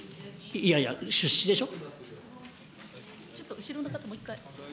いやいや、出資でしょ。